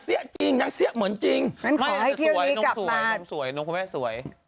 สวยหนูของแม่สวย